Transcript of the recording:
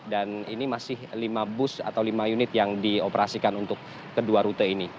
dan ini masih lima bus atau lima unit yang dioperasikan untuk kedua rute ini